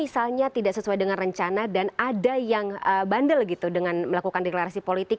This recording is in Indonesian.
misalnya tidak sesuai dengan rencana dan ada yang bandel gitu dengan melakukan deklarasi politik